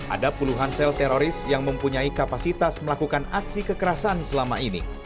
ada puluhan sel teroris yang mempunyai kapasitas melakukan aksi kekerasan selama ini